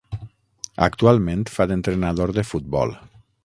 Actualment fa d'entrenador de futbol.